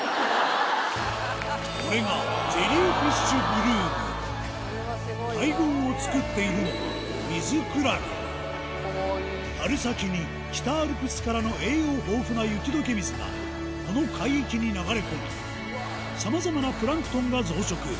これが大群を作っているのは春先に北アルプスからの栄養豊富な雪解け水がこの海域に流れ込みさまざまなプランクトンが増殖